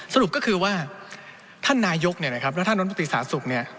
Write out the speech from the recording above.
สรุปก็คือว่าท่านนายกเนี่ยนะครับและท่านน้อนประติศาสตร์สุขเนี่ย